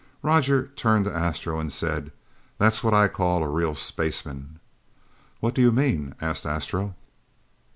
Roger turned to Astro and said, "That's what I call a real spaceman." "What do you mean?" asked Astro.